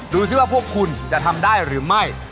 ดูสิว่าพวกคุณจะทำได้หรือไม่